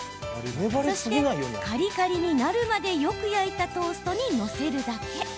そして、カリカリになるまでよく焼いたトーストに載せるだけ。